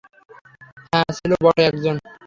হ্যাঁ, ছিল বটে একজন।